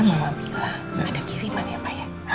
mama bilang ada kiriman ya pak ya